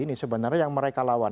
ini sebenarnya yang mereka lawan